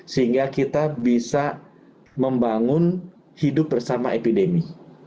sehingga kita bisa membangun hidup bersama epidemi